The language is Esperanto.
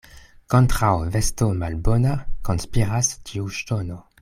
Kontraŭ vesto malbona konspiras ĉiu ŝtono.